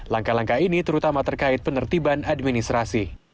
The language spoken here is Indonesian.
langkah langkah ini terutama terkait penertiban administrasi